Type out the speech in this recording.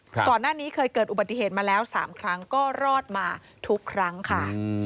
ก่อนหน้านี้เคยเกิดอุบัติเหตุมาแล้วสามครั้งก็รอดมาทุกครั้งค่ะ